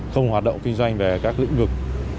không hoạt động kinh doanh về các lĩnh vực